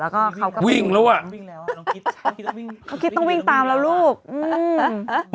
แล้วก็เขาก็วิ่งแล้วอ่ะต้องวิ่งตามแล้วลูกอืม